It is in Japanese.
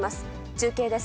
中継です。